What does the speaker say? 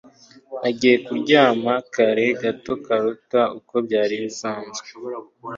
Nagiye kuryama kare gato kuruta uko byari bisanzwe